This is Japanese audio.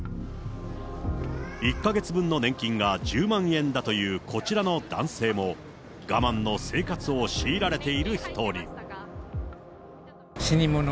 １か月分の年金が１０万円だというこちらの男性も、我慢の生活を強いられている一人。